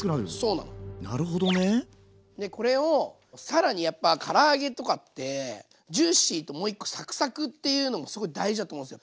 なるほどね。これを更にやっぱから揚げとかってジューシーともう一個サクサクっていうのもすごい大事だと思うんすよ。